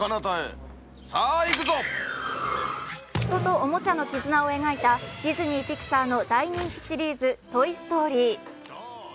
人とおもちゃの絆を描いたディズニー／ピクサーの大人気シリーズ「トイ・ストーリー」